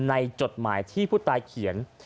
จดหมายที่ผู้ตายเขียน